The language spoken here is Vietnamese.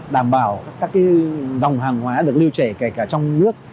đảm bảo các cái dòng hàng hóa được lưu trẻ kể cả trong nước